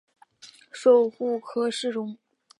授户科给事中。